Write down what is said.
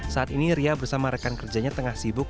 saat ini ria bersama rekan kerjanya tengah sibuk